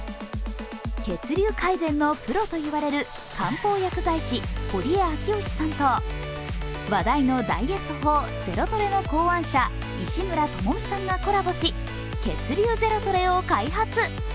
血流改善のプロといわれる官報薬剤師・堀江昭佳さんと話題のダイエット法「ゼロトレ」の考案者、石村友見さんがコラボし「血流ゼロトレ」を開発。